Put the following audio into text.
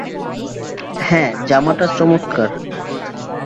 হ্যাঁ, জামাটা চমৎকার।